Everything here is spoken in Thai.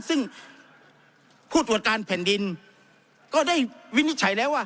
ซึ่งผู้ตรวจการแผ่นดินก็ได้วินิจฉัยแล้วว่า